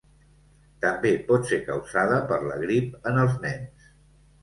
També pot ser causada per la grip en els nens.